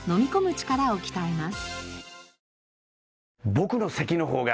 力を鍛えます。